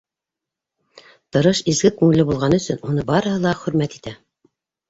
Тырыш, изге күңелле булғаны өсөн уны барыһы ла хөрмәт итә.